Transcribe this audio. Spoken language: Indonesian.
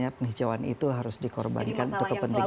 penghijauan itu harus dikorbankan untuk kepentingan